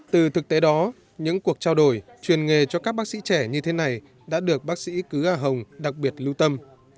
từ thực tế đó những cuộc trao đổi truyền nghề cho các bác sĩ trẻ như thế này đã được bác sĩ cứ a hồng đặc biệt lưu tâm